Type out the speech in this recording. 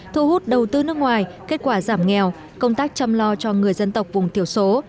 thu hút đầu tư nước ngoài kết quả giảm nghèo công tác chăm lo cho người dân tộc vùng thiểu số